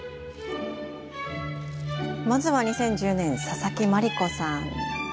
まずは２０１０年佐々木万璃子さん。